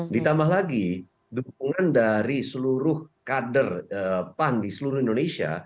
ditambah lagi dukungan dari seluruh kader pan di seluruh indonesia